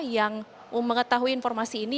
yang mengetahui informasi ini